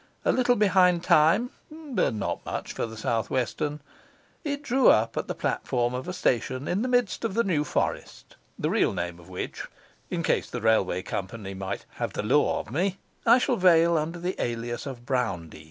A little behind time, but not much for the South Western, it drew up at the platform of a station, in the midst of the New Forest, the real name of which (in case the railway company 'might have the law of me') I shall veil under the alias of Browndean.